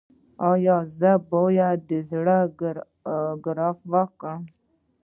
ایا زه باید د زړه ګراف وکړم؟